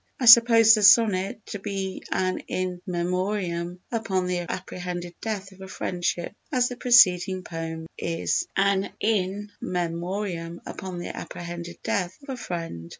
_I suppose the Sonnet to be an In Memoriam upon the apprehended death of a friendship as the preceding poem is an In Memoriam upon the apprehended death of a friend_.